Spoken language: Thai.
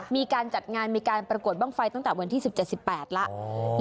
มีการจัดงานมีการประกวดบ้างไฟตั้งแต่วันที่๑๗๑๘แล้ว